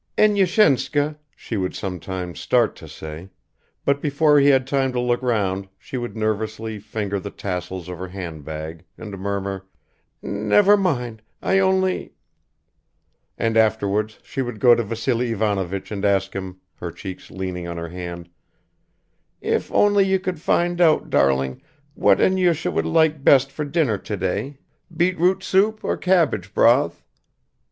"Enyushenka," she would sometimes start to say but before he had time to look round she would nervously finger the tassels of her handbag and murmur, "Never mind, I only ...." and afterwards she would go to Vassily Ivanovich and ask him, her cheek leaning on her hand, "If only you could find out, darling, what Enyusha would like best for dinner today, beet root soup or cabbage broth?"